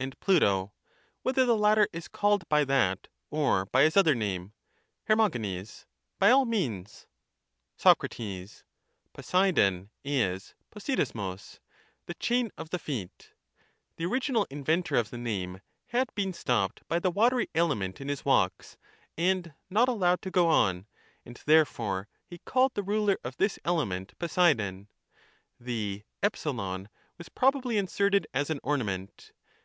and Pluto, whether the latter is called by that or by his other name. Her. By all means. Soc. Poseidon is TroaiSeouog, the chain of the feet ; the original inventor of the name had been stopped by the watery element in his walks, and not allowed to go on, and therefore he called the ruler of this element Poseidon ; the £ was probably inserted as an ornament.